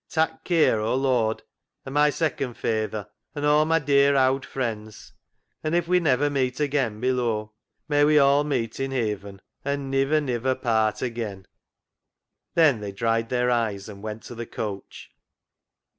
Tak' care, O Lord, o' my second fayther, and all my dear owd frien's, and if we never meet again below, may we all meet in he e e ven and * niver, niver part again.' " Then they dried their eyes and went to the coach.